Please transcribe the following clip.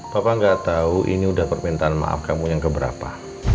bapak gak tahu ini udah permintaan maaf kamu yang keberapa